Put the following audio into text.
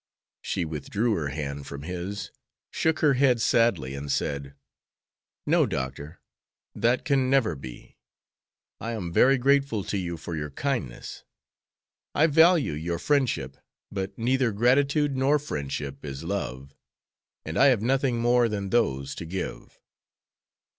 She withdrew her hand from his, shook her head sadly, and said: "No, Doctor; that can never be. I am very grateful to you for your kindness. I value your friendship, but neither gratitude nor friendship is love, and I have nothing more than those to give."